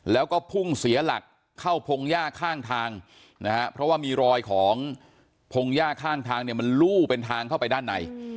แล้วก็พุ่งเสียหลักเข้าพงหญ้าข้างทางนะฮะเพราะว่ามีรอยของพงหญ้าข้างทางเนี่ยมันลู่เป็นทางเข้าไปด้านใน